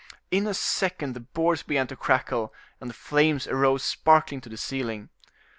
In a second the boards began to crackle, and the flames arose sparkling to the ceiling.